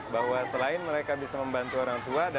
bahwa selain mereka bisa membantu orang tua